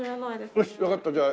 よしわかったじゃあ